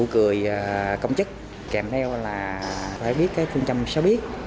cười công chức kèm theo là phải biết cái phương trăm sao biết